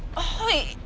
はい。